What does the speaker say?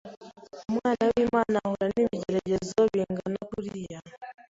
Umwana w’Imana ahura n’ibigeragezo bingana kuriya,